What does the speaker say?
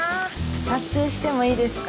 撮影してもいいですか？